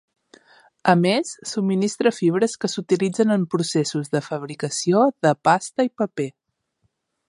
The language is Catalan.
A més, subministra fibres que s'utilitzen en processos de fabricació de pasta i paper.